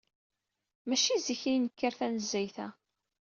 Maci zik ay yenker tanezzayt-a.